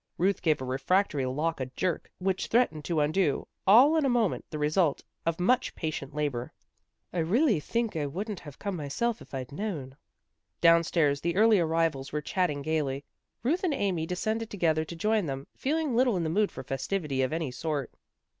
Ruth gave a refractory lock a jerk which threatened to undo, all in a moment, the result of much patient labor. " I really think I wouldn't have come myself if I'd known." A BELATED INVITATION 265 Downstairs the early arrivals were chatting gaily. Ruth and Amy descended together to join them, feeling little in the mood for festivity of any sort.